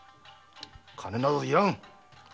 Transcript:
金など要らん。